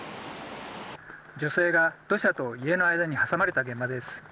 女性が土砂と家の間に挟まれた現場です。